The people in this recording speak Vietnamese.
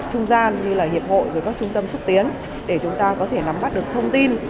trung gian như là hiệp hội rồi các trung tâm xúc tiến để chúng ta có thể nắm bắt được thông tin